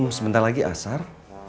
kum sebentar lagi asar